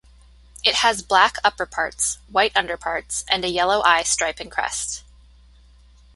It has black upper parts, white underparts and a yellow eye stripe and crest.